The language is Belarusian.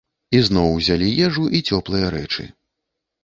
Ізноў узялі ежу і цёплыя рэчы.